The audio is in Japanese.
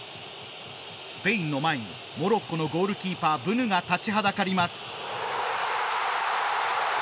スペインの前にモロッコのゴールキーパーブヌが立ちはだかります。